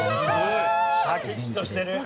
シャキッとしてる。